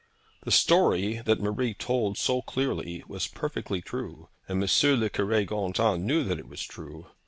The story that Marie told so clearly was perfectly true, and M. le Cure Gondin knew that it was true.